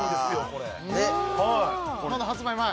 これまだ発売前？